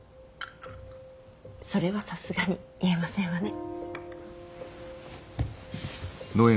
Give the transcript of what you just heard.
それはさすがに言えませんわね。